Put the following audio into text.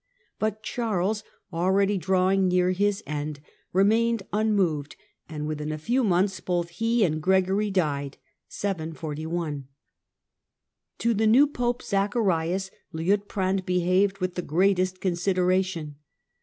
But Charles, dready drawing near his end, remained unmoved, and .vithin a few months both he and Gregory died (741). To the new Pope, Zacharias, Liutprand behaved with he greatest consideration.